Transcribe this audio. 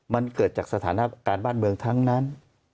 มันเกิดจากสถานการณ์บ้านเมืองทั้งนั้น